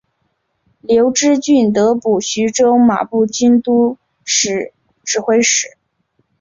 刘知俊得补徐州马步军都指挥使。